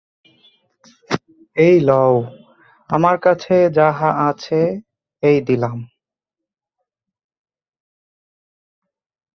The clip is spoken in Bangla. এই লও আমার কাছে যাহা আছে, এই দিলাম।